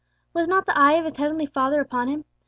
Was not the eye of his heavenly Father upon him?